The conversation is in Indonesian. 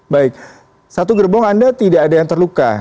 baik satu gerbong anda tidak ada yang terluka